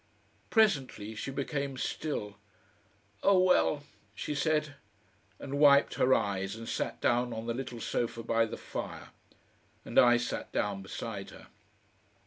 Presently she became still. "Oh, well," she said, and wiped her eyes and sat down on the little sofa by the fire; and I sat down beside her.